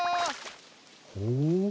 ほう。